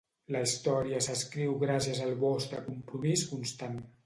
La història s'escriu gràcies al vostre compromís constant.